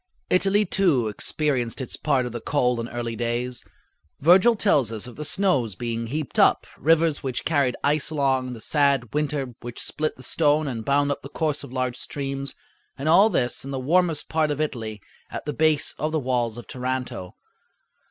Italy, too, experienced its part of the cold in early days. Virgil tells us of the snows being, heaped up, rivers which carried ice along, the sad winter which split the stone and bound up the course of large streams, and all this in the warmest part of Italy, at the base of the walls of Taranto.